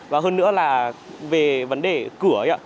và hơn nữa là về vấn đề cửa ấy ạ